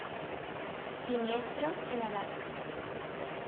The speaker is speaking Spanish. Siniestro en Alaska.